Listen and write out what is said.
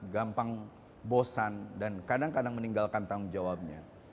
gampang bosan dan kadang kadang meninggalkan tanggung jawabnya